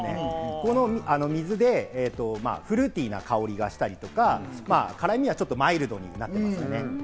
この水でフルーティーな香りがしたりとか、辛みがちょっとマイルドになってます。